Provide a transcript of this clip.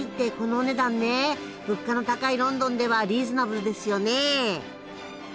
物価の高いロンドンではリーズナブルですよね。